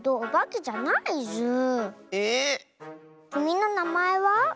きみのなまえは？